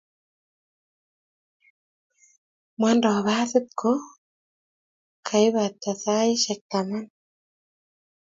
Mondoi basit ko kaibata saishek taman